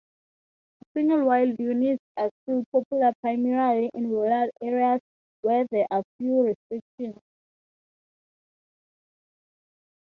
Single-wide units are still popular primarily in rural areas, where there are fewer restrictions.